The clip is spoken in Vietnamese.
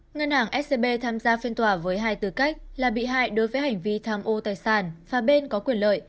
ngân hàng scb tham gia phiên tòa với hai tư cách là bị hại đối với hành vi tham ô tài sản và bên có quyền lợi